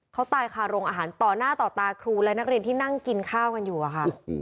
เขาตายคาโรงอาหารต่อหน้าต่อตาครูและนักเรียนที่นั่งกินข้าวกันอยู่อะค่ะ